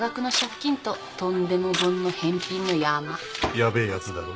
ヤベえやつだろ？